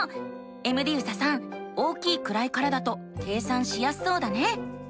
エムディユサさん大きい位からだと計算しやすそうだね。